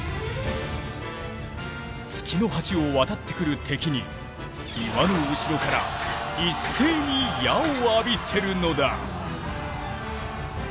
土の橋を渡ってくる敵に岩の後ろから一斉に矢を浴びせるのだ。